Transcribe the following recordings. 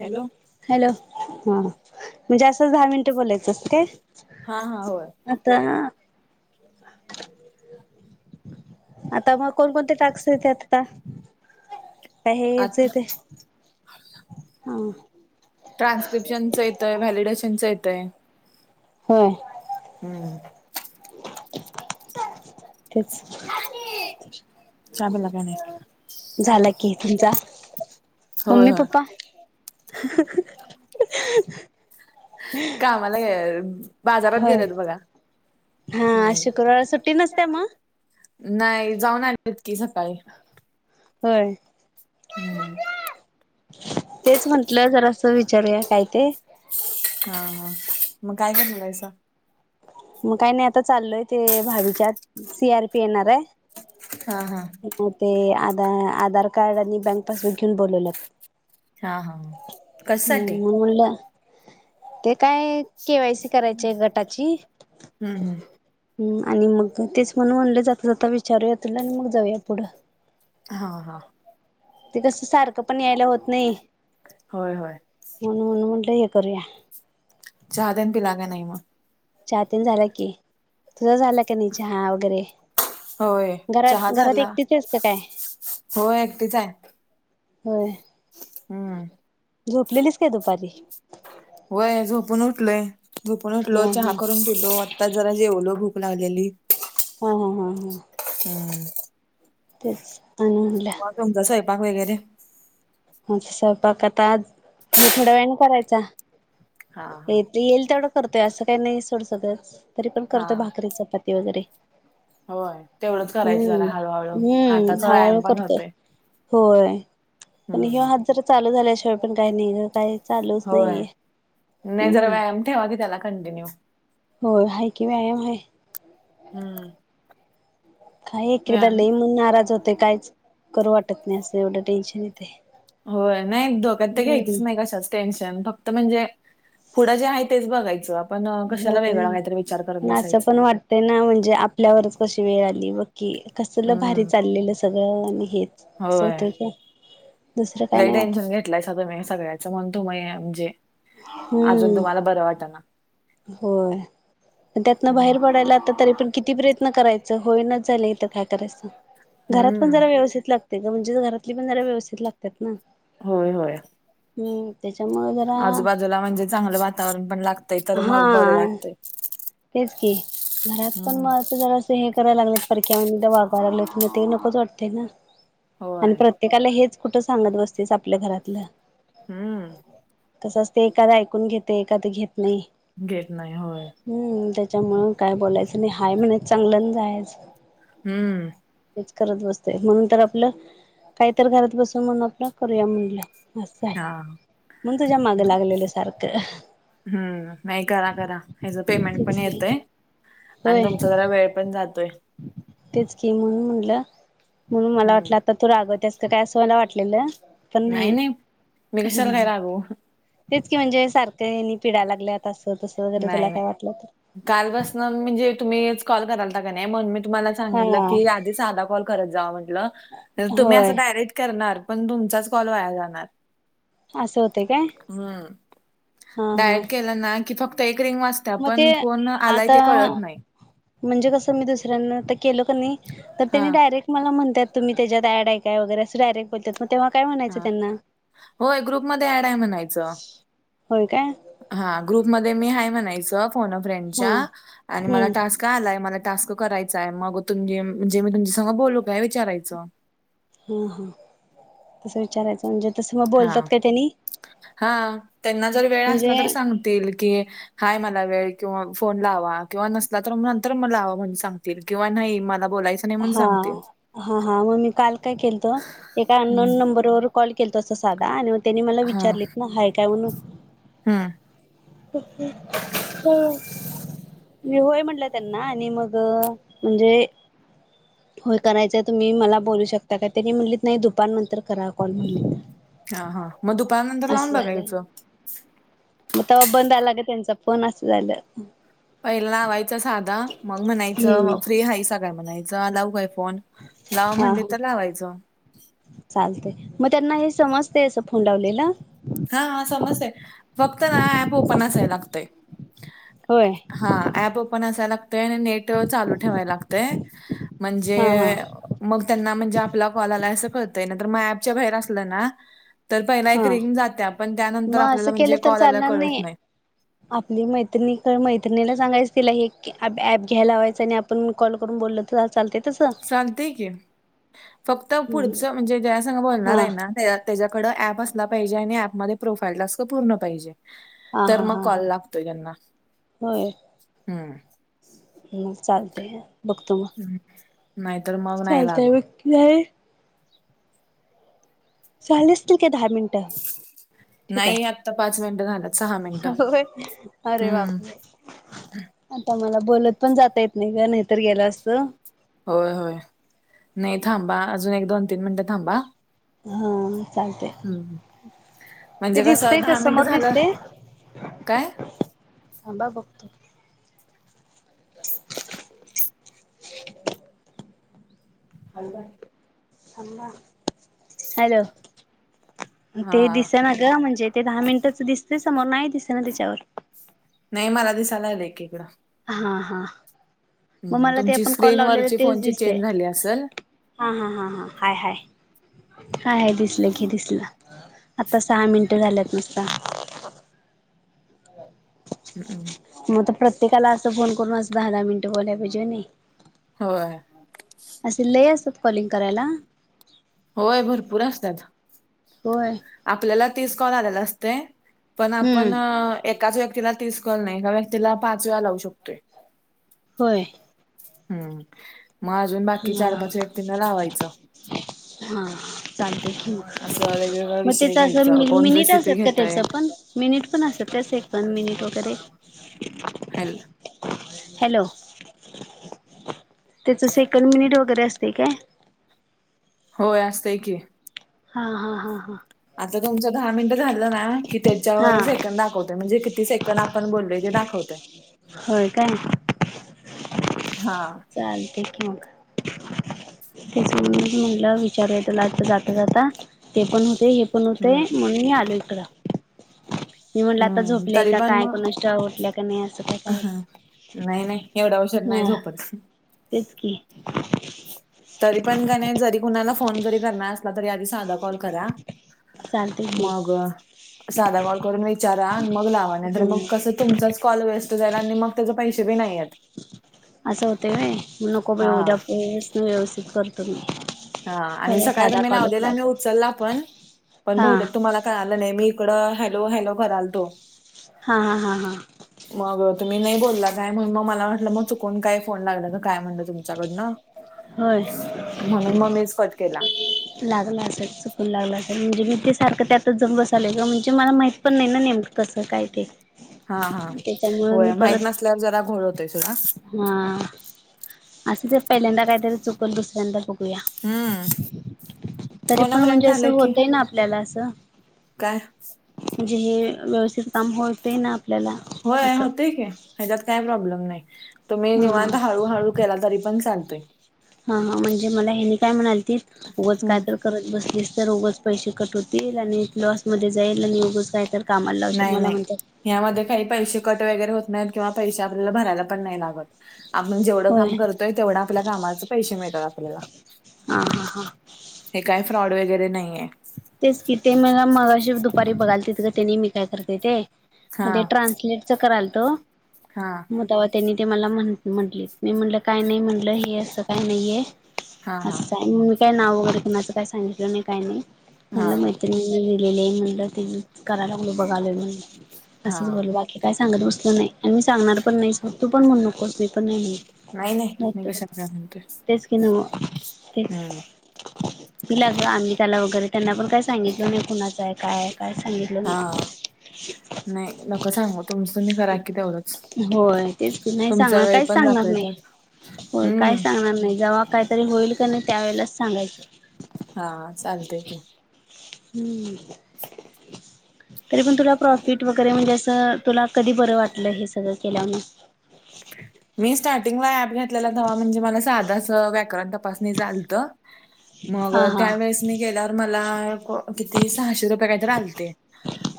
Hello hello हा म्हणजे असं दहा मिनिटं बोलायचं असतं काय. हा, हा होय आता [inaudible] आता मग कोण कोणते टॅक्स येते आता काय आ हेच येते हा ट्रान्स्क्रिप्शनच येतय व्हॅलिडेशनचं येतय होय [unintelligible] तेच चहा पिला काय नाही झाला कि तुमचा होय मम्मी होय पप्पा. [unintelligible] कामाला गेल्यात बाजारात होय. गेल्यात बघा हा हम्म शुक्रवार सुट्टी नसत्या मग. नाही जाऊन आलेत की सकाळी होय. हम. तेच म्हंटलं जरासं विचारूया काय ते हा, हा मग काय करणारायसा मग काही नाही आता चाललोय ते भाभीच्यात सीआरपी येणार आहे ह, हा ते आध आधार कार्ड आणि बँक पासबुक घेऊन बोलवलेत. हा. हा कशासाठी हम्म मग म्हणलं. ते काय केवायसी करायची आहे गटाची हम्म. ह आणि मग तेच म्हण म्हणले जाता, जाता विचारूया तिला आणि मग जाऊया पुढं ह, ह ते कस सारखं पण यायला होत नाही होय होय म्हणून म्हटलं हे करूया. चहातेन पिला का नही चहा तेन झालं की. तुझं झालं का नाही चहा वगैरे होय घरात, घरात एकटीच हायास का काय हो एकटीच आहे होय हम्म झोपलेलीस का दुपारी? होय झोपून उठलोय. झोपून हा उठलो, हा चहा करून पिलो. आता जरा जेवलो भूक लागलेली. हा हा हा हा. हम्म. तेच आणूनल्या तुमचं स्वयंपाक वगैरे हा श्वमपाक आता आज थोड्या थी वेळानी करायचा. हा हा येती येईल तेवढं करतोय असं काही नाही सोड सगळं तरी पण करतोय हा भाकरी, चपात ते वगैरे होय तेवढंच करायचं जरा हम्म हळूहळू हम्म हाताचा हळूहळू व्यायाम पण करतोय होतोय. होय पण ह्यो हम्म हात जरा चालू झाल्याशिवाय पण काई नई ग. काय होय नाही जरा व्यायाम ठेवा की त्याला कंटिन्यू. होय हाय की व्यायाम हाय. हम्म. खाय एक एकदा व्यायाम लई मन नाराज होते काहीच करू वाटत नाही असं एवढं टेन्शन येते. होय नाही डोक्यात तर घ्यायचीच नाही कशाच टेन्शन फक्त म्हणजे पुढं जे हाय तेच बघायचं आपण कशाला वेगळं काहीतरी विचार करत बसायचं. ते ना म्हणजे आपल्यावरच कशी वेळ आली बघ. कि कसलं भारी हम्म चाललेलं सगळं आणि हेच असं होय. होतं काय? दुसरं काय नाय वाटत. [unintelligible] कनई सगळ्याच म्हणून तुम्ही म्हणजे अजून हम्म तुम्हाला बरं वाट ना. होय. आणि त्यातन बाहेर पड यला आतातरी पण किती प्रयत्न करायचं होईनाच झालं इथं काय करायचं. घरात पण हम्म. जरा व्यवस्थित लागते गं म्हणजे घरातली पण जरा व्यवस्थित लागत्यात ना. होय होय हम्म त्याच्यामुळं जरा तावरण पण लागतय तर मग बरे हा वाटते. तेच की घरात पण हम्म. म ते जरा असं हे करायला लागलेत परक्या वानी [unintelligible] म ते नकोच वाटते ना आणि होय. प्रत्ये त्येकाला हेच कुठं सांगत बसतेस आपल्या घरातलं. हां. तसंच ते एखादा ऐकून घेते एखादा घेत नाही. घेत नाही होय. हम्म त्याच्यामुळं काय बोलायचं नाय हाय म्हणे चांगलं अन जायचं. हम्म. हेच करत बसते म्हणून तर आपलं काही तर घरात बसून म्हणून आपलं करूया म्हणलं. असं आहे हा म्हणून तुझ्या मागे नाही लागलेले सारखं. हम्म नाही करा करा. ह्याजा पेमेंट तेच पण की येतय होय आणि तुमचा जरा वेळ पण जातोय. तेच कि म्हणून म्हंटलं म्हणून मला हम्म. वाटलं आता तू रागवतेस का काय असं मला वाटलेलं. पण नाही नाय-नाय मी कशाला काय रागू. तेच की म्हणजे सारखं हेनी पिड्या लागल्यात अस तसं वगैरे तुला नाही नाही. काय वाटलं तर. कालपासनं म्हणजे तुम्हीच कॉल करालता की नाय म्हणून मी तुम्हाला हा सांगितलं की आज ते सादा कॉल करत जावा म्हटलं तुम्ही होय असं डायरेक्ट करणार पण तुमचाच कॉल वाया जाणार. असं होते काय? हम्म. हा हा डायरेक्ट केलं ना, की फक्त एक रिंग वाज त्या मग पण ते फोन आलाय ते कळत आता नाही. म्हणजे कसं मी दुसऱ्यांना आता केलं क नई तर हा त्यांनी डायरेक् मला म्हणत्यात तुम्ही त्याच्यात ऍड आहे काय असं डायरेक्ट पलत्यात म तेव्हा काय म्हणायचं हा त्यांना? होय ग्रुपमध्ये ऍड आहे म्हणायचं होय काय? हा ग्रुपमध्ये मी हाय म्हणायचं फोन अ हा फ्रेंडच्या आणि मला हम्म टास्क का आलाय मला टास्क करायचाय, मग तुम म्हणजे मी तुमच्यासंग बोलू काय विचारायचं. हा हा तसं, विचारायचं म्हणजे. तसं मग बोलतात हा का त्यांनी हा. त्यांना जर वेळ म्हणजे असला तर सांगतील की हाय मला वेळ किंवा फोन लावा किंवा नसला तर नंतर मग लावा म्हणून सांगतील किंवा नाही मला बोलायचं. नाही म्हणून हा सांगतील हा हा हा. मग मी काल काय केलंत एका हम्म अननोन नंबरवर कॉल केलता तसा साधा आणि त्यांनी मला हा विचारलेत ना हाय काय म्हणून. हम्म. हो. मी होय म्हटलं त्यांना आणि मग म्हणजे होय करायचंय तुम्ही मला बोलू शकता का, त्यांनी म्हणलीत नाही दुपार नंतर करा कॉल म्हणली. हा हा मग दुपारनंतर लावून, बघा यायच. मग तेव्हा बंद आला ग त्यांचा फोन असं झालं. पहिला लावायचं साधा, मग म्हणायचं मग हम्म फ्री हायसा काय म्हणायचं. लावू काय फोन? लाव म्हणली तर लावायचं. चालतंय, मग त्यांना हे समजतंय असं फोन लावलेलं? हा समजतंय. फक्त ना ऍप ओपन असाय लागतंय. होय हा ऍप ओपन असायला लागतंय आणि नेट चालू ठेवायला लागतंय. म्हणजे हा हा मग त्यांना म्हणजे आपला कॉल आलंय असं कळतंय. नाही तर मग ऍपच्या बाहेर असलं ना तर, पहिला एक हा रिंगात. मग असं केलं तर चालणार नाही. आपली मैत्रि-मैत्रिणीला सांगायचं तिला हे ऍप ऍप घ्यायला लावायचं आणि आप पण कॉल करून बोल तेव्हा चालतेत. चालतंय की. फक्त पुढच म्हणजे जेज्या संग बोलणार हा आहे ना त्या त्याच्याकड ऍप असला पाहिजे आणि ऍपमध्ये प्रोफाईल टास्क पूर्ण पाहिजे. हा तर, हा मग हा हा कॉल लागतो ज्यांना होय हम्म. मग चालतंय बघतो मग. नाहीतर मग नाही लागत. नाही. चाले असतील की दहा मिनट. ठेवू काय? नाही आता, पाच मिनट. होय अरे हम्म बापरे. आता मला बोलत पण जाता येत नाही, का नाहीतर गेलं असत. होय होय. नाही थांबा अजून एक दोन तीन मिनिटं थांबा. हा चालते. हं. ते म्हणजे कसं दिसतंय का मिनिटं समोर झालं दिसतंय? काय? थांबा बघतो. [inaudible] Hello hello. ते हां. दिसना ग म्हणजे ते दहा मिनिटच दिसते समोर नाही दिसना त्याच्यावर. नाही मला दिसायला लागलंय की हिकडं. हा हा. मग मला ते तुमची आपण कॉल लावले स्क्रीनवरची तेच फोनची दिसते. चेंज झाली असेल. हा हा हा हा हाय हाय. हाय हाय दिसलं की दिसलं. आत्ता सहा मिनटं झाल्यात नुसता. हम्म. मग आता प्रत्येकाला असं फोन करून असं दहा दहा मिनिटं बोलाय पाहिजे होय नाही? होय. असे लई असत्यात कॉलिंग करायला. होय भरपूर असत्यात. होय? आपल्याला तीस कॉल आलेला असतोय, पण हम्म आपण एकाच व्यक्तीला तीस कॉल नाही, एका व्यक्तीला पाच वेळा लावू शकतोय. होय? हम्म, मग अजून बाकी चार पाच व्यक्तींना लावायचं. हा हा चालतंय की, असं वेगवेगळा मग विषय त्याच असं घ्यायचा. कोण मिनिट रेसिपी असत्यात का त्याच घेतंय पण? मिनिट पण असत्यात काय? सेकंद मिनिट वगैरे? हॅलो. हॅलो. त्याच सेकंद मिनिट वगैरे असतंय काय? होय असतंय की. हा हा हा हा. आता तुमच दहा मिनट झालं ना, की हा हा त्याच्यावर सेकंद दाखवतंय. म्हणजे कित किती सेकंद आपण बोललोय ते दाखवतंय. होय काय? हा. चालतंय की मग. तेच हं. म्हणुनच म्हटलं वि [unintelligible] जाता जाता ते पण होतंय हे पण हं. होतंय म्हणून मी आलोय इकडं. मी म्हटलं आता हं. झोपलेय तरी का पण काय मग कोणास ठाव, उटल्या का नाही असं काय काय. हं. नाही नाही एवढ्या उशीर नाही हा झोपत. तेच की. तरी पण कनई जरी कुणाला फोन जरी करणार असला तरी आधी साधा कॉल करा. चालते की मग साधा कॉल करून विचारा, मग लावा. नाहीतर हम्म मग कसं तुमचाचं कॉल वेस्ट जाणार आणि मग त्याचे पैसे बी नाही येत. असं होतय व्हय, मग नको बाई हां. उद्या [unintelligible] व्यवस्थित करतो मी. हा आणि पहिला सकाळी साधा मी कॉलच लावलेला आणि लावतो उचलला पण. पण हा बहुतेक तुम्हाला कळाल नाही मी इकडं हॅलो हॅलो करालतो. हा हा हा हा. मग तुम्ही नाही बोलला काय. म्हणून मग मला वाटलं मग चुकून काय फोन लागला का काय म्हणलं तुमच्याकडनं. होय. म्हणून मग मीच कट केला. लागला असेल चुकून लागलं असेल. म्हणजे मी ते सारखं त्यातच जाऊन बसालोय ग. म्हणजे मला माहित पण नाही ना नेमक कसं काय ते? हा हा त्याच्यामुळे मी होय. माहीत परत नसल्यावर जरा घोळ होतय सोडा. हा. असुदेत पहिल्यांदा काहीतरी चुकल दुसऱ्यांद बघूया. हम्म. तरी फोन अ पण फ्रेंड म्हणजे असं झालं की होतय ना आपल्याला असं. काय म्हणजे हे व्यवस्थित काम होतंय ना आपल्याला? होय असं होतय की ह्याच्यात काय प्रॉब्लेम नाही. तुम्ही हा निवांत हा हळूहळू करा तरी पण चालतोय. हं हं. म्हणजे मला ह्यानी काय म्हणालतीत उगच का हम्म तर करत बसलीस तर उगंच पैसे कट होतील आणि लॉसमध्ये जाईल आणि उगंच काय तर कामाला लावशील नाही मला नाही म्हणत्यात. यामध्ये काही पैसे कट वगैरे होत नाहीत किंवा पैसे आपल्याला भरायला पण नाही लागतं. आपण जेवढं होय. काम करतोय, तेवढं आपल्या कामाचे पैसे मिळत्यात आपल्याला. हा हा हा. हे काय फ्रॉड वगैरे नाहीये. तेच कि ते मला मगाशी दुपारी बघालतीत गं तेनी मी काय करते ते. हा मग ते ट्रान्सलेट च कराल तो. हां. मग तवा त्यांनी ते मला म्हण म्हटले मी म्हणल काही नाही म्हटलं हे असं काही नाहीये. हां, हां. असं आहे मग मी काय? नाव वगैरे कुणाच? काय सांगितलं नाही? काय नाही? म्हणलं हां, मैत्रिणीं दिलेले आहे, म्हणलं ते कराय लागलोय बघालोय म्हणल असंच हां. बोलोय आता. हे काय? सांगत बसलो नाही. आणि मी सांगणार पण नाही. तू पण म्हणू नकोस. मी पण नाही नाही, नाही. मी म्हणत, कशाला काय म्हणते. तेच की नाव. तेच. हं. तिला ग अमिताला वगैरे त्यांना पण काय? सांगितलं नाही कुणाचं? आहे काय? काय सांगितलं नाही. हां. नाही नका सांगू? तुमच तुम्ही करा की तेवढच. होय तेच की‌ नाही सांगणार, काहीच सांगणार जातोय नाही. त्यात. होय काय हं. सांगणार नाही जेव्हा, काहीतरी होईल का नाही त्यावेेळेलाच सांगायचं. हां.. चालतंय की, हमं. तरी पण तुला प्रॉफिट वगैरे म्हणजे, असं तुला कधी बरं वाटलं हे सगळं केल्यामुळं. मी स्टार्टिंगला ऍप घेतलेला तवा, म्हणजे मला साधंच असं व्याकरण तपासणीच आलतं. [unintelligible] मग हा त्यावेेळेस मी गेल्यावर मला किती सहाशे रुपये. काहीतरी आलते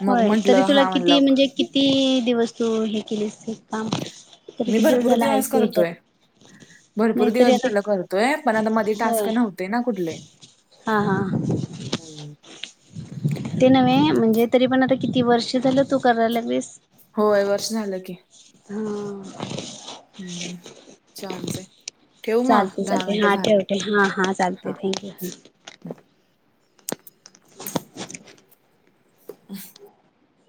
मग, होय तरी म्हंटलं तुला हा किती म्हणलं. म्हणजे किती दिवस तू हे, केलेस हे. काम तरी मी किती भरपूर झाला दिवस आहेस तू करतोय. ह्याच्यात भरपूर नाहीतरी दिवस आता झालं करतोय, पण आता मध्ये टास्क होय नव्हते ना कुठले. हा हां.. [unintelligible] ते नव्हे म्हणजे तरी पण, आता किती वर्ष. ते झालं तू करा लागलीस, होय, वर्ष झालं व्हय हां.. हम्म चालते. ठेवू मग चालते दहा चालते मिनिटं हा झालं ठेवते हा चालते हा. थँक्यू [unintelligible]